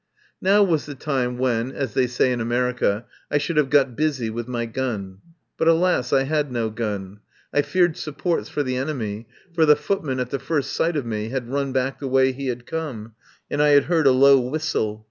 Now was the time when, as they say in America, I should have got busy with my gun; but alas! I had no gun. I feared sup ports for the enemy, for the footman at the first sight of me had run back the way he had come, and I had heard a low whistle.